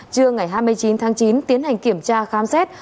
trưa ngày hai mươi chín tháng chín tiến hành kiểm tra khám xét